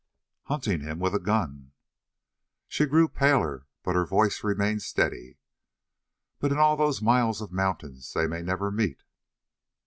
"Hunting him with a gun." She grew paler, but her voice remained steady. "But in all those miles of mountains they may never meet?"